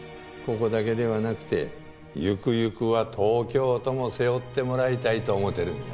ここだけではなくてゆくゆくは東京都も背負ってもらいたいと思うてるんや。